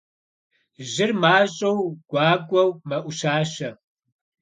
Жьыр мащӀэу, гуакӀуэу мэӀущащэ.